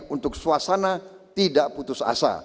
untuk suasana tidak putus asa